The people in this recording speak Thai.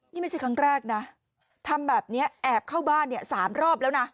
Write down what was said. นี่ไม่ใช่ครั้งแรกนะทำแบบนี้แอบเข้าบ้านเนี่ย๓รอบแล้วนะ